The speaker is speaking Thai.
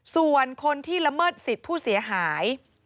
ส่วนคนที่ละเมิดสิทธิ์ผู้เสียหาย